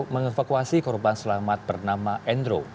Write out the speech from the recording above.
mengevakuasi korban selamat bernama endro